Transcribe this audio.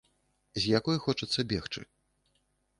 З якой хочацца бегчы.